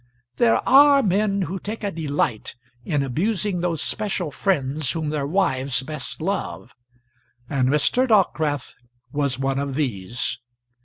There are men who take a delight in abusing those special friends whom their wives best love, and Mr. Dockwrath was one of these.